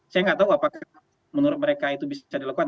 saya nggak tahu apakah menurut mereka itu bisa dilakukan